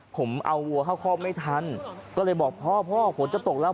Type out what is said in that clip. ผมเอาวัวเข้าคอกไม่ทันก็เลยบอกพ่อพ่อฝนจะตกแล้ว